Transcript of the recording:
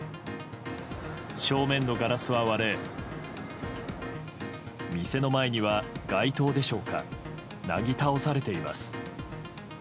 正面のガラスは割れ店の前には街灯でしょうかなぎ倒されています。